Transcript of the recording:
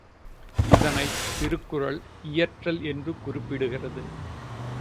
இதனைத் திருக்குறள் இயற்றல் என்று குறிப்பிடுகிறது.